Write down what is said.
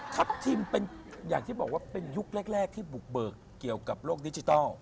ทัพทิมเป็นอย่างที่บอกว่าเป็นยุคแรกที่บุกเบิกเกี่ยวกับโลกดิจิทัล